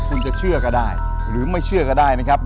คุณจะเชื่อก็ได้หรือไม่เชื่อก็ได้นะครับ